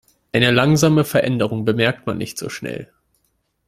Eine langsame Veränderung bemerkt man nicht so schnell.